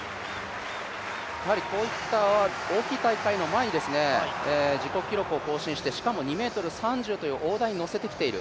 こういった大きい大会の前に自己記録を更新してしかも２ｍ３０という大台に乗せてきている。